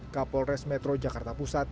kapolres metro jakarta pusat